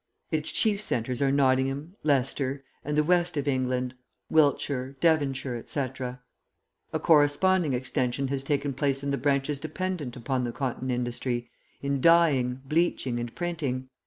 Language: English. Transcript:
Its chief centres are Nottingham, Leicester, and the West of England, Wiltshire, Devonshire, etc. A corresponding extension has taken place in the branches dependent upon the cotton industry, in dyeing, bleaching, and printing.